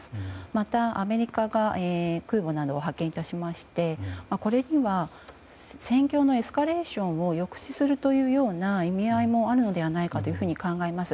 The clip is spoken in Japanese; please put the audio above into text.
また、アメリカが空母などを派遣いたしましてこれには戦況のエスカレーションを抑止するというような意味合いもあるのではないかと考えます。